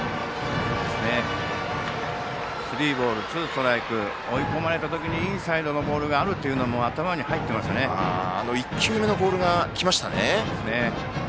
スリーボールツーストライクで追い込まれた時にインサイドのボールがあると１球目のボールが来ましたね。